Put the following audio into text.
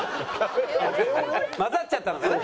混ざっちゃったのかな？